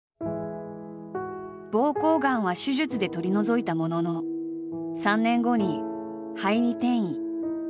膀胱がんは手術で取り除いたものの３年後に肺に転移。